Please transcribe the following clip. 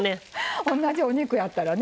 おんなじお肉やったらね